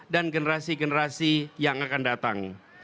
dan generasi generasi yang akan datang